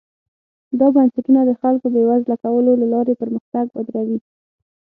دا بنسټونه د خلکو بېوزله کولو له لارې پرمختګ ودروي.